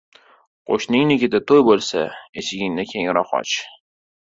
• Qo‘shningnikida to‘y bo‘lsa, eshigingni kengroq och.